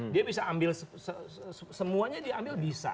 dia bisa ambil semuanya diambil bisa